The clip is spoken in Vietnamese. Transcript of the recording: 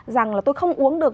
rằng là tôi không uống được